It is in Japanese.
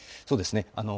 そうですね。